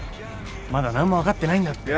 まだ何も分かってないんだって。